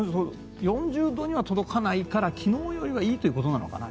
４０度には届かないから昨日よりはいいということなのかな。